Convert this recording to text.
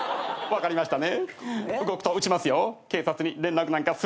分かりました。